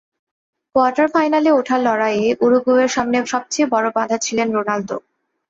Quarter ফাইনালে ওঠার লড়াইয়ে উরুগুয়ের সামনে সবচেয়ে বড় বাধা ছিলেন রোনালদো।